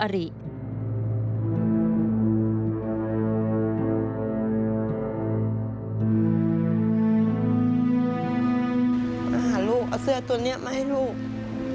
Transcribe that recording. ลูกเอาเสื้อตัวนี้มาให้ลูก